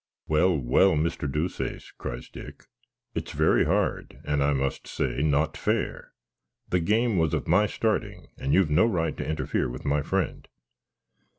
"Well, well, Mr. Deuceace," cries Dick, "it's very hard, and, I must say, not fair: the game was of my starting, and you've no right to interfere with my friend."